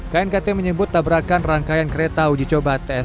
knkt menyebut tabrakan rangkaian kereta uji coba ts dua puluh sembilan